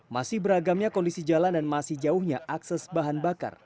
masih beragamnya kondisi jalan dan masih jauhnya akses bahan bakar